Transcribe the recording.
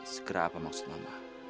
segera apa maksud mama